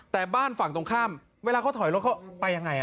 แต่บ้านฝั่งตรงข้ามเวลาเขาถอยรถเขาไปยังไง